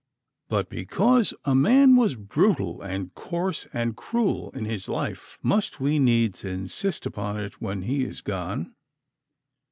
But because a man was brutal and coarse and cruel in his life, must we needs insist upon it when he is gone?